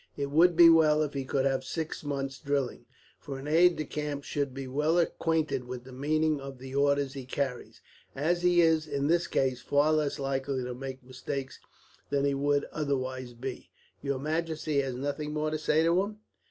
It would be well if he could have six months' drilling, for an aide de camp should be well acquainted with the meaning of the orders he carries; as he is, in that case, far less likely to make mistakes than he would otherwise be. Your majesty has nothing more to say to him?"